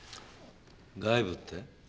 外部って？